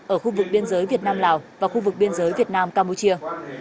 ở khu vực biên giới việt nam lào và khu vực biên giới việt nam campuchia